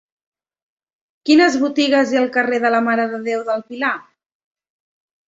Quines botigues hi ha al carrer de la Mare de Déu del Pilar?